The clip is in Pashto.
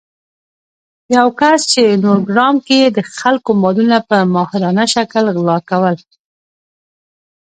یو کس چې نورګرام کې يې د خلکو مالونه په ماهرانه شکل غلا کول